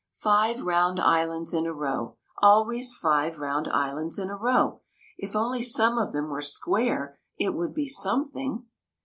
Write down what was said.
" Five round islands in a row ; always five round islands in a row! If only some of them were square, it would be some thing